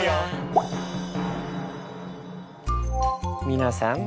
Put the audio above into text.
皆さん。